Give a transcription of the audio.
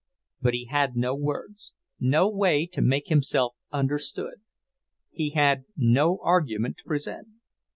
But he had no words, no way to make himself understood. He had no argument to present.